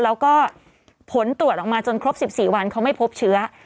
แล้วก็ผลตรวจออกมาจนครบ๑๔วันเขาไม่พบเชื้อ